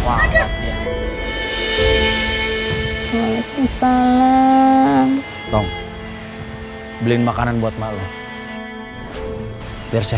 banget nih salam dong hai beli makanan buat makhluk biar sehat ya